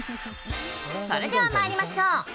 それでは参りましょう。